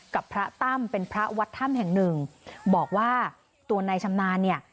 กับพระตั้มเป็นพระวัดถ้ำแห่งหนึ่งบอกว่าตัวนายชำนาญเนี่ย